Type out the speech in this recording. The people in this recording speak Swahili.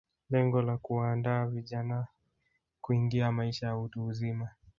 Lengo la kuwaandaa vijana kuingia maisha ya utu uzima